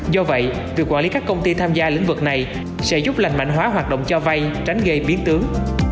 do vậy việc quản lý các công ty tham gia lĩnh vực này sẽ giúp lành mạnh hóa hoạt động cho vay tránh gây biến tướng